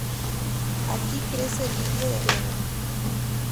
Aquí crece el lirio de arena.